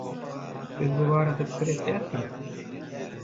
Biz bu barada pikir edýäsmi?